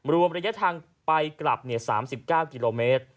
รวมระยะทางไปกลับ๓๙กิโลเมตร